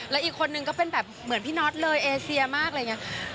แล้วอีกคนนึงก็เป็นแบบเหมือนพี่น็อตเลยเอเซียมากอะไรอย่างนี้